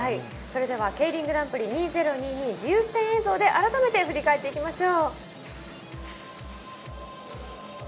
ＫＥＩＲＩＮグランプリ２０２２、自由視点映像で改めて振り返っていきましょう。